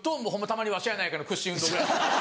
たまに「わしやないか！」の屈伸運動ぐらいです。